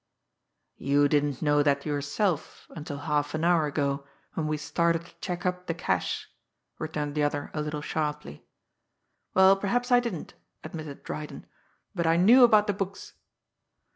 "You didn't know that yourself until half an hour ago when we started to check up the cash," returned the other a little sharply. "Well, perhaps, I didn't," admitted Dryden; "but I knew about the books."